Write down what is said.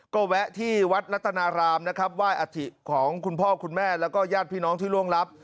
ก็แวะที่วัดรัตนารามนะครับไหว้อธิของคุณพ่อคุณแม่แล้วก็ญาติพี่น้องที่ร่วงรับ